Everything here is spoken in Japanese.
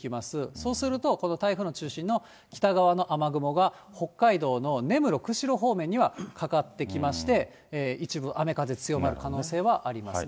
そうすると今度、台風の中心の北側の雨雲が北海道の根室、釧路方面にはかかってきまして、一部雨風強まる可能性はありますね。